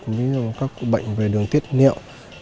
ví dụ các bệnh về đường tiết niệm